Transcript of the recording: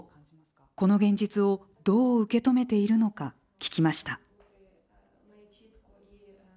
この現実をどう受け止めているのか聞きました。